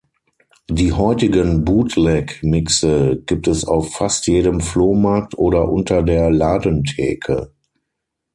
Die heutigen Bootleg-Mixe gibt es auf fast jedem Flohmarkt oder „unter der Ladentheke“.